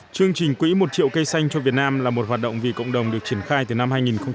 chương trình quỹ một triệu cây xanh cho việt nam là một hoạt động vì cộng đồng được triển khai từ năm hai nghìn một mươi